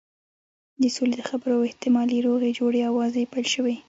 د سولې د خبرو او احتمالي روغې جوړې آوازې پیل شوې.